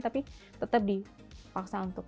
tapi tetap dipaksa untuk